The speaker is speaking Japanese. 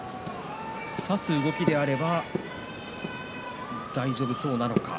差す動きであれば大丈夫そうなのか。